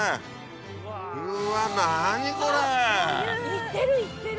いってるいってる。